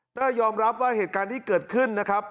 เตอร์ยอมรับว่าเหตุการณ์ที่เกิดขึ้นนะครับ